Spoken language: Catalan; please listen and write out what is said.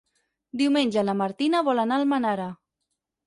Diumenge na Martina vol anar a Almenara.